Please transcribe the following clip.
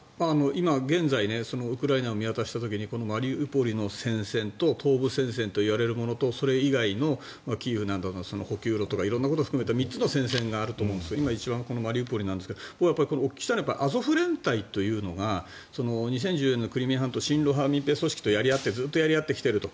今現在ウクライナを見渡した時にこのマリウポリの戦線と東部戦線といわれるものとそれ以外のキーウなどの補給路とか色んなことを含めて３つの戦線があると思うんですが今一番はこのマリウポリですが僕がお聞きしたいのはアゾフ連隊というのは２０１４年のクリミア併合の時に親ロ派の民兵組織とずっとやり合ってきていると。